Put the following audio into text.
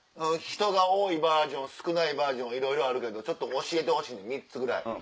人が多いバージョン少ないバージョンいろいろあるけど教えてほしいねん３つぐらい。